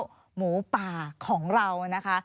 เรารอแค่หมูป่าของเรานะคะ